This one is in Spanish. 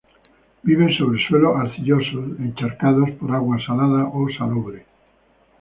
Vive sobre suelos arcillosos encharcados por agua salada o salobre.